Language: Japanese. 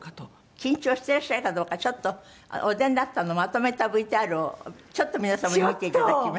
緊張してらっしゃるかどうかちょっとお出になったのをまとめたＶＴＲをちょっと皆様に見て頂きます。